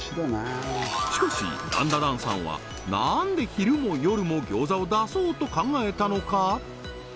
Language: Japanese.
しかしダンダダンさんはなんで昼も夜も餃子を出そうと考えたのか？